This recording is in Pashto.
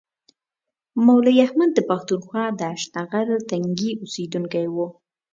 مولوي احمد د پښتونخوا د هشتنغر تنګي اوسیدونکی و.